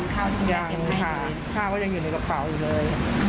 ข้าวก็อยู่ในกระเป๋าอยู่เลย